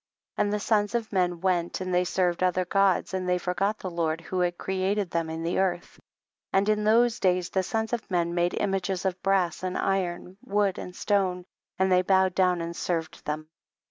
4. And the sons of men went and they served other Gods, and they forgot the Lord who had created them in the earth : and in those days the sons of men made images of brass and iron, wood and stone, and they bowed down and served them.